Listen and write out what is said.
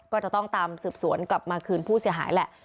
ก็จะต้องตามสืบสวนกลับมาคืนผู้เสียหายแหละ